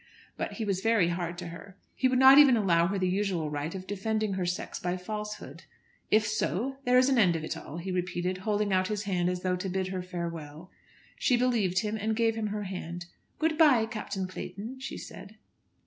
But he was very hard to her. He would not even allow her the usual right of defending her sex by falsehood. "If so there is an end of it all," he repeated, holding out his hand as though to bid her farewell. She believed him, and gave him her hand. "Good bye, Captain Clayton," she said.